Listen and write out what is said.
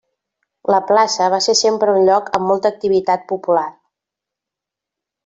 La plaça va ser sempre un lloc amb molta activitat popular.